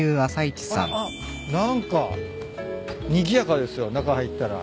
あっ何かにぎやかですよ中入ったら。